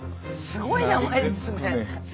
すごい名前ですね。